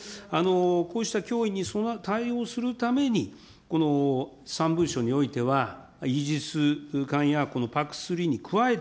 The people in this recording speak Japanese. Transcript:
こうした脅威に対応するために、３文書においてはイージス艦やＰＡＣ３に加えて、